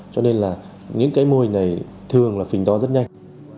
cho nên là những cái mô hình này thường là phình to rất nhanh